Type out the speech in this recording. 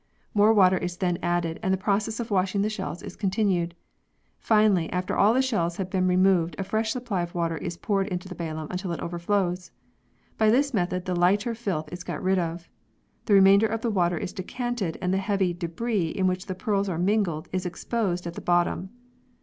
More water is then added and the process of washing the shells is continued. Finally, after all the shells have been removed a fresh supply of water is poured into the ballam until it overflows. By this method the lighter filth is got rid of. The remainder of the water is decanted and the heavy debris in which the pearls are mingled is exposed at the bottom.